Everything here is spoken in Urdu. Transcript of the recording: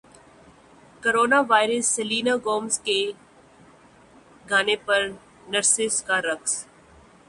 کورونا وائرس سلینا گومز کے گانے پر نرسز کا رقص